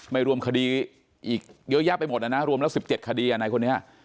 ไม่รวมคดีอีกเยอะแยะไปหมดนะรวมแล้ว๑๗คดีในคนนี้